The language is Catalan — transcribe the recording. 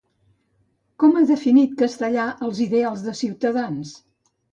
Com ha definit Castellà els ideals de Ciutadans?